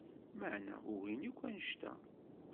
Maɛna ugin akk anect-a…